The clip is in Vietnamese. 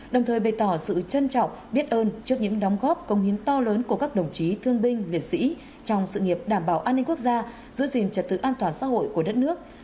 đồng thời bày tỏ sự trân trọng biết ơn trước những đóng góp công hiến to lớn của các đồng chí thương binh liệt sĩ trong sự nghiệp đảm bảo an ninh quốc gia giữ gìn trật tự an toàn xã hội của đất nước